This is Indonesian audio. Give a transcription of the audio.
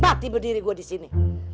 mati berdiri gue disini